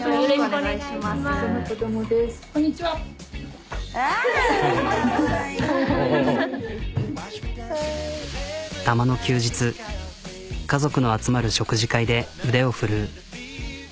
たまの休日家族の集まる食事会で腕を振るう。